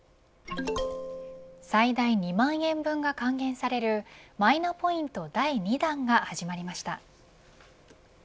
最大２万円分が還元されるマイナポイント第２弾が始まりました。